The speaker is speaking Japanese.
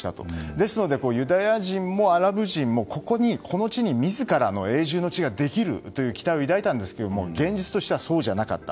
ですのでユダヤ人もアラブ人もこの地に自らの永住の地ができるという期待を抱いたんですが現実としてはそうじゃなかった。